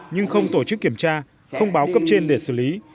nhưng không tổ chức kiểm tra không báo cấp trên để xử lý